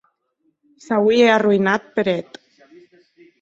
S’auie arroïnat per eth.